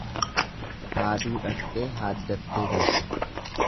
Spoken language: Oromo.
Haaduu dhaqxee haaddattee galte.